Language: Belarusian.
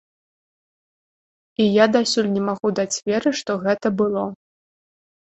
І я дасюль не магу даць веры, што гэта было.